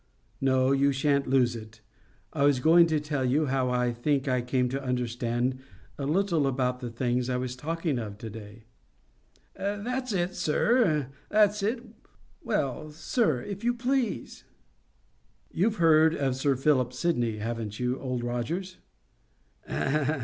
"No, you shan't lose it. I was going to tell you how I think I came to understand a little about the things I was talking of to day." "That's it, sir; that's it. Well, sir, if you please?" "You've heard of Sir Philip Sidney, haven't you, Old Rogers?"